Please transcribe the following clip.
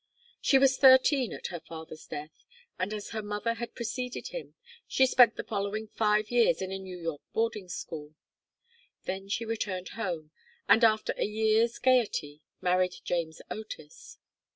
She was thirteen at her father's death, and as her mother had preceded him, she spent the following five years in a New York boarding school. Then she returned home, and, after a year's gayety, married James Otis.